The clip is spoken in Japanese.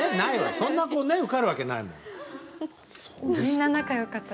そんな子ね受かるわけないもん。